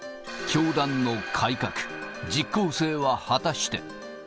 教団の改革、実効性は果たして。